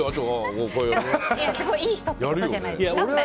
いい人ってことじゃないですか